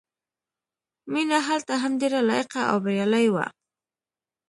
مینه هلته هم ډېره لایقه او بریالۍ وه